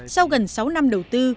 sau gần sáu năm đầu tư